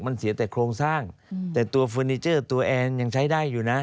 มันเสียแต่โครงสร้างแต่ตัวเฟอร์นิเจอร์ตัวแอนยังใช้ได้อยู่นะ